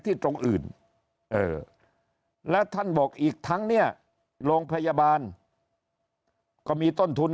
ตรงอื่นและท่านบอกอีกทั้งเนี่ยโรงพยาบาลก็มีต้นทุน